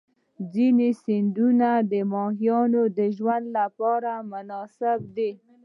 ځینې سیندونه د ماهیانو ژوند لپاره مناسب دي.